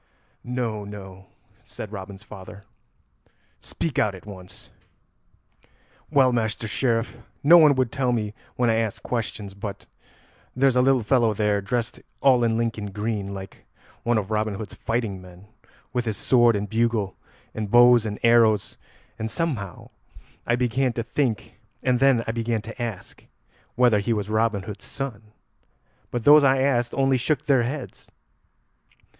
"No, no," said Robin's father; "speak out at once." "Well, Master Sheriff, no one would tell me when I asked questions, but there's a little fellow there, dressed all in Lincoln green, like one of Robin Hood's fighting men, with his sword and bugle, and bow and arrows, and somehow I began to think, and then I began to ask, whether he was Robin Hood's son; but those I asked only shook their heads.